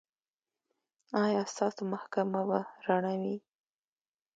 ایا ستاسو محکمه به رڼه وي؟